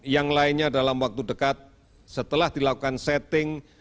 yang lainnya dalam waktu dekat setelah dilakukan setting